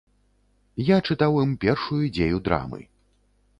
Я чытаў ім першую дзею драмы.